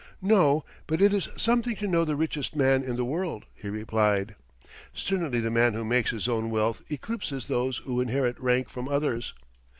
"No, but it is something to know the richest man in the world," he replied. "Certainly the man who makes his own wealth eclipses those who inherit rank from others."